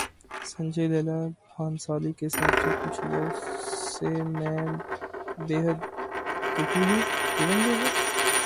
سنجے لیلا بھنسالی کے ساتھ جو کچھ ہوا اس سے میں بیحد دکھی ہوں: کرن جوہر